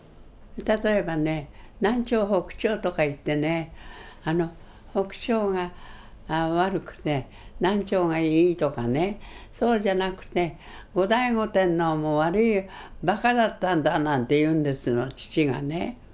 例えばね南朝北朝とか言ってね「北朝が悪くて南朝がいい」とかねそうじゃなくて「後醍醐天皇も悪いバカだったんだ」なんて言うんですの父がね。